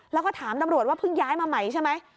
แล้วก็ถามตำรวจว่าเพิ่งย้ายมาใหม่ใช่ไหม